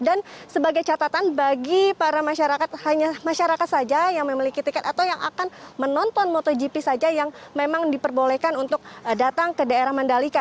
dan sebagai catatan bagi para masyarakat hanya masyarakat saja yang memiliki tiket atau yang akan menonton motogp saja yang memang diperbolehkan untuk datang ke daerah mandalika